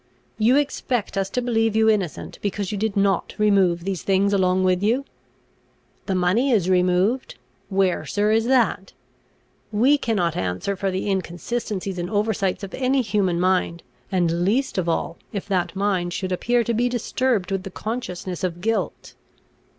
"You expect us to believe you innocent, because you did not remove these things along with you. The money is removed. Where, sir, is that? We cannot answer for the inconsistences and oversights of any human mind, and, least of all, if that mind should appear to be disturbed with the consciousness of guilt.